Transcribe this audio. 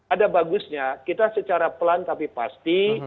ada bagusnya kita secara pelan tapi pasti